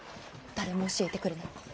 誰も教えてくれない。